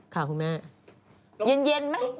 ค่ะคุณแม่เย็นไหมทุกคน